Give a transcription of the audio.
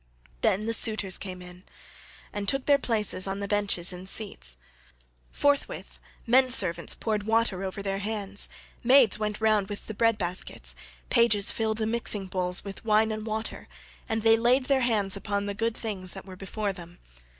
Then the suitors came in and took their places on the benches and seats.3 Forthwith men servants poured water over their hands, maids went round with the bread baskets, pages filled the mixing bowls with wine and water, and they laid their hands upon the good things that were before them.